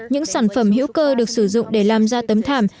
những sản phẩm hữu cơ được sử dụng để làm ra tấm thảm